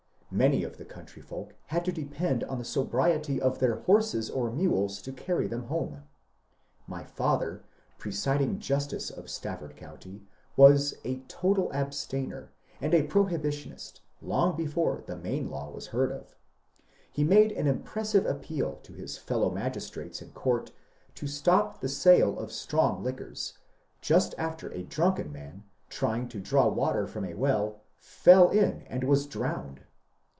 Many of the country folk had to depend on the sobriety of their horses or mules to carry them home. My father, presiding justice of Stafford County, was a ^^ total abstainer," and a prohibition ist long before the Maine law was heard of. He made an im pressive appeal to his fellow magistrates in court to stop the sale of strong liquors, just after a drunken man, trying to draw water from a well, fell in and was drowned.